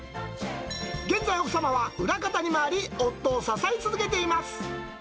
現在、奥様は裏方に回り、夫を支え続けています。